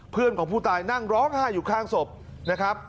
เพื่อนของผู้ตายนั่งร้องไห้อยู่ข้างศพนะครับ